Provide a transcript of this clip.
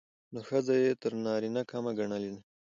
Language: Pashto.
نو ښځه يې تر نارينه کمه ګڼلې ده.